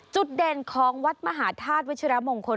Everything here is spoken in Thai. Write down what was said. จุดเด่นของวัดมหาธาตุวัชิรมงคล